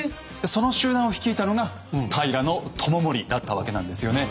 その集団を率いたのが平知盛だったわけなんですよね。